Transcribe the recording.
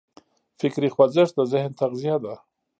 فکري خوځښت د ذهن تغذیه ده.